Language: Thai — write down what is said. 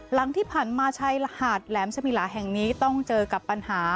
หลังที่ผ่านมาชายหาดแหลมสมิลาแห่งนี้ต้องเจอกับปัญหา